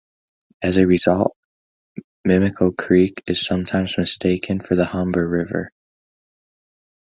As a result, Mimico Creek is sometimes mistaken for the Humber River.